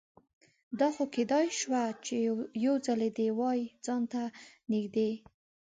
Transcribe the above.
دا خو کیدای شوه چې یوځلې دې وای ځان ته نږدې